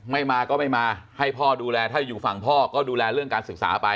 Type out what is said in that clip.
ไม่มาก็ไม่มาให้พ่อดูแลถ้าอยู่ฝั่งพ่อก็ดูแลเรื่องการศึกษาไป